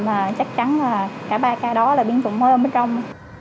mà chắc chắn là cả ba ca đó là biến chủng mới ông bích rông